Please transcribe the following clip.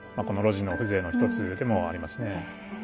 この露地の風情の一つでもありますね。